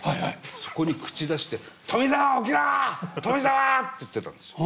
そこに口出して「富澤起きろ！富澤！」って言ってたんですよ。